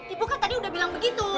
ibu kan tadi udah bilang begitu